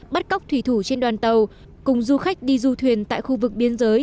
bắt cóc thủy thủ trên đoàn tàu cùng du khách đi du thuyền tại khu vực biên giới